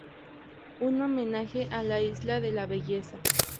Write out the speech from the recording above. Un homenaje a la Isla de la Belleza.